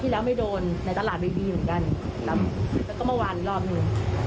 แล้วก็เมื่อวานรอบหนึ่ง